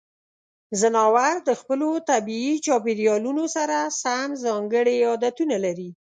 ځناور د خپلو طبیعي چاپیریالونو سره سم ځانګړې عادتونه لري.